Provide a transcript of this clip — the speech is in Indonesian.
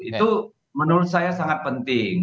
itu menurut saya sangat penting